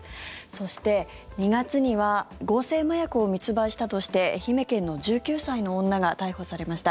そして、２月には合成麻薬を密売したとして愛媛県の１９歳の女が逮捕されました。